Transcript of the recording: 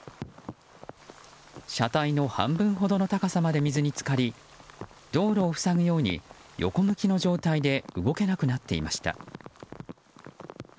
車体の半分ほどの高さまで水に浸かり道路を塞ぐように横向きの状態で動けなくなっていました。